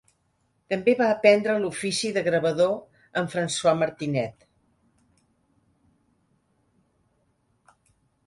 També va aprendre l'ofici de gravador amb François Martinet.